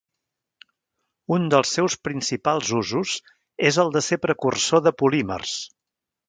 Un dels seus principals usos és el de ser precursor de polímers.